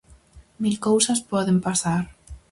Mil cousas poden pasar.